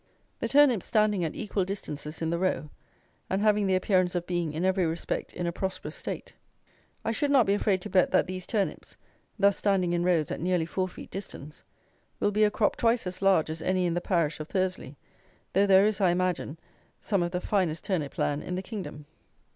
The turnips standing at equal distances in the row, and having the appearance of being, in every respect, in a prosperous state. I should not be afraid to bet that these turnips, thus standing in rows at nearly four feet distance, will be a crop twice as large as any in the parish of Thursley, though there is, I imagine, some of the finest turnip land in the kingdom.